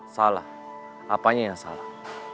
salah apanya yang salah